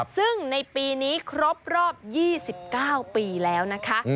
ซึ่งในปีนี้ครบรอบ๒๙ปีแล้วนะคะ